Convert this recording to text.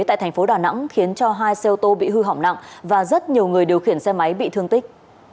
tại thành phố đà nẵng khiến cho hai xe ô tô bị hư hỏng nặng và rất nhiều người điều khiển xe máy bị thương tích